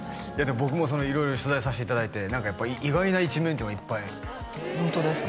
僕も色々取材させていただいて何か意外な一面というのがいっぱいホントですか？